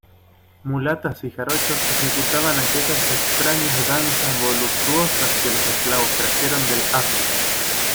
mulatas y jarochos ejecutaban aquellas extrañas danzas voluptuosas que los esclavos trajeron del África